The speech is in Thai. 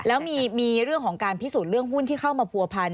แล้วมีเรื่องของการพิสูจน์เรื่องหุ้นที่เข้ามาผัวพันธ